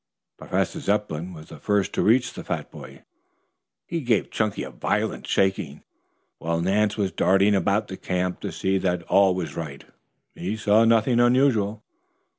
Professor Zepplin was the first to reach the fat boy. He gave Chunky a violent shaking, while Nance was darting about the camp to see that all was right. He saw nothing unusual.